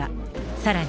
さらに。